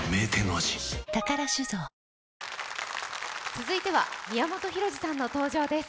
続いては宮本浩次さんの登場です。